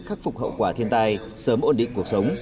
khắc phục hậu quả thiên tai sớm ổn định cuộc sống